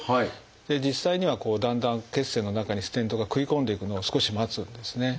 実際にはこうだんだん血栓の中にステントが食い込んでいくのを少し待つんですね。